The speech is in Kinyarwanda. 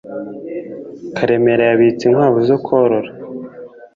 Karemera yabitse inkwavu zo korora